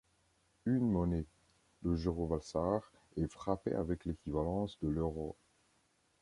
Une monnaie, le Jurovalsar, est frappé avec l'équivalence de l'euro.